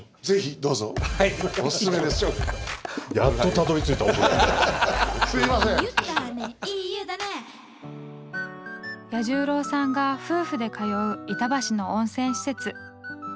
彌十郎さんが夫婦で通う板橋の温泉施設。